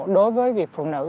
đối với người dân thì không được